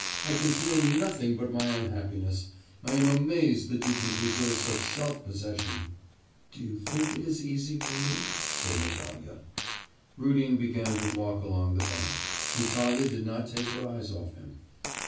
I can feel nothing but my unhappiness... I am amazed that you can preserve such self possession!' 'Do you think it is easy for me?' said Natalya. Rudin began to walk along the bank. Natalya did not take her eyes off him.